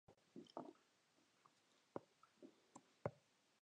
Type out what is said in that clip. Ik ha der gjin probleem mei.